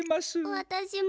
わたしも。